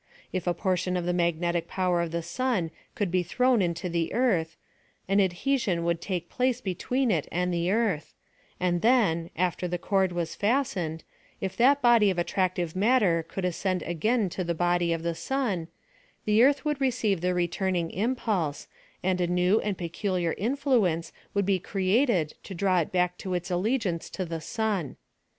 If a portion of the niiignetic power of the sun could be thrown into the earth, an adhesion would take place between it and the earth, and then, after the cord was fastened, if tliat body of attractive matter could ascend again to tiie body of the sun, the earth would receive the re* iiu'iiin^ impulse, and a new and peculiar influence would be created to draw it back to its allegiance to the sun.